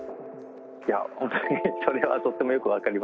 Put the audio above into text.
いや本当にそれはとってもよく分かりますね。